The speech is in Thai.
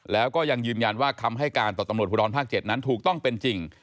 แล้วก็ยังยืนยันว่าคำให้การต่อตำรวจภูทรภาค๗นั้นถูกต้องเป็นจริง